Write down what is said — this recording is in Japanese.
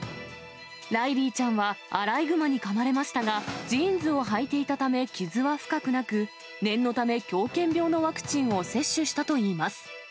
ライリーちゃんは、アライグマにかまれましたが、ジーンズをはいていたため、傷は深くなく、念のため、狂犬病のワクチンを接種したといいます。